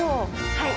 はい。